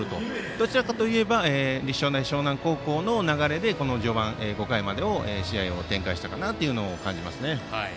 どちらかといえば立正大淞南高校の流れでこの序盤５回まで試合を展開したかなと感じますね。